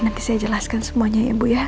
nanti saya jelaskan semuanya ya bu ya